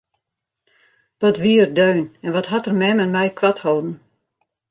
Wat wie er deun en wat hat er mem en my koart holden!